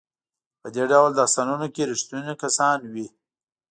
په دې ډول داستانونو کې ریښتوني کسان وي.